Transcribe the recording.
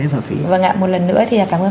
vâng ạ một lần nữa thì cảm ơn